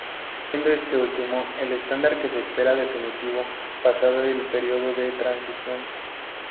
Siendo este último el estándar que se espera definitivo pasado el período de transición.